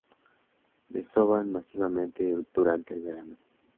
Desovan masivamente durante el verano.